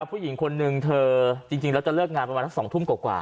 ผู้หญิงคนหนึ่งเธอจะเลิกงานจาก๒ถุงกว่ากว่า